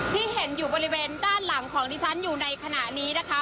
ที่เห็นอยู่บริเวณด้านหลังของดิฉันอยู่ในขณะนี้นะคะ